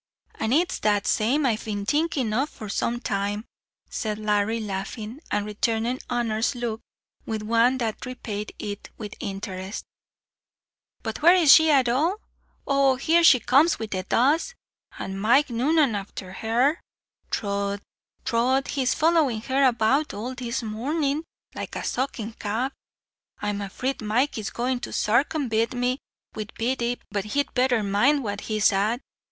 "An' it's that same I've been thinking of for some time," said Larry, laughing, and returning Honor's look with one that repaid it with interest "But where is she at all? Oh, here she comes with the duds, and Mike Noonan afther her; throth, he's following her about all this mornin' like a sucking calf. I'm afeard Mikee is going to sarcumvint me wid Biddy; but he'd betther mind what he's at."